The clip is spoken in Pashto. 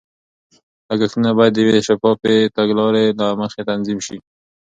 لګښتونه باید د یوې شفافې تګلارې له مخې تنظیم شي.